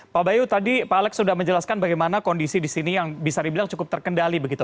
pak bayu tadi pak alex sudah menjelaskan bagaimana kondisi di sini yang bisa dibilang cukup terkendali begitu